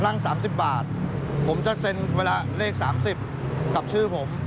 ๓๐บาทผมจะเซ็นเวลาเลข๓๐กับชื่อผม